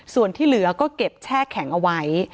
ส่วนที่เหลือก็เก็บแช่แข็งเอาไว้